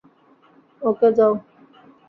ওকে, যাও!